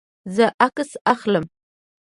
زه عکس اخلم